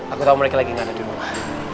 aku tau mereka lagi gaada di rumah